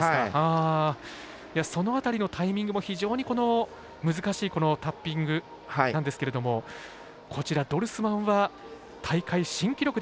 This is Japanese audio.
その辺りのタイミングも非常に難しいタッピングなんですけれどもドルスマンは大会新記録での金メダル。